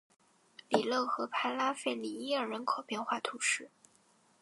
里勒河畔拉费里耶尔人口变化图示